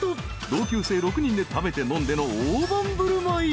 ［同級生６人で食べて飲んでの大盤振る舞い］